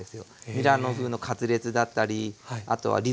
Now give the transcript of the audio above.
ミラノ風のカツレツだったりあとはリゾット。